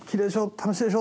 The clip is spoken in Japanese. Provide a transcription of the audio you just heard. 楽しいでしょ？」。